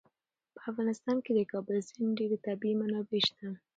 په افغانستان کې د کابل سیند ډېرې طبعي منابع شته.